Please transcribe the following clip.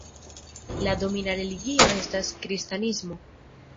La domina religio estas kristanismo.